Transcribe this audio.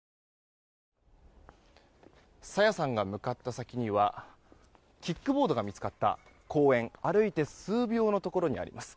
朝芽さんが向かった先にはキックボードが見つかった公園歩いて数秒のところにあります。